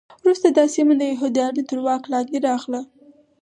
وروسته دا سیمه د یهودانو تر واک لاندې راغله.